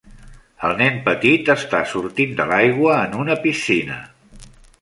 El nen petit està sortint de l'aigua en una piscina.